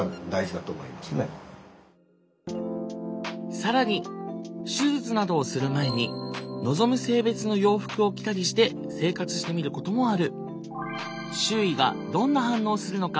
更に手術などをする前に望む性別の洋服を着たりして生活してみることもある。